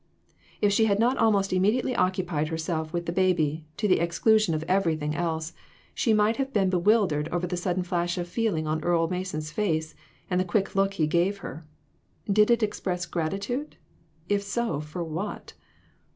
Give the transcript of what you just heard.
If she had not almost immediately occupied her self with the baby, to the exclusion of everything else, she might have been bewildered over the sudden flash of feeling on Earle Mason's face, and the quick look he gave her. Did it express grati tude ? If so, for what